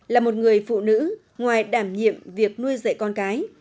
là một người phụ nữ ngoài đảm nhiệm việc nuôi dạy con cái